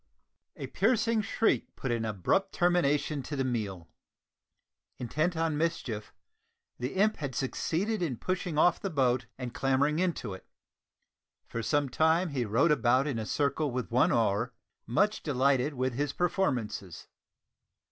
A piercing shriek put an abrupt termination to the meal! Intent on mischief; the imp had succeeded in pushing off the boat and clambering into it. For some time he rowed about in a circle with one oar, much delighted with his performances.